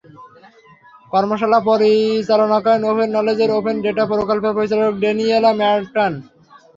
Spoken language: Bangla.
কর্মশালা পরিচালনা করেন ওপেন নলেজের ওপেন ডেটা প্রকল্পের পরিচালক ডেনিয়ালা ম্যাটার্ন।